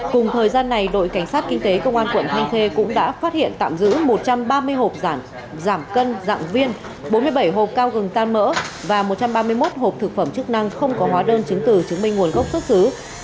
cùng thời gian này đội cảnh sát kinh tế công an quận thanh khê cũng đã phát hiện tạm giữ một trăm ba mươi hộp giảm cân dạng viên bốn mươi bảy hộp cao gừng tan mỡ và một trăm ba mươi một hộp thực phẩm chức năng không có hóa đơn chứng từ chứng minh nguồn gốc xuất xứ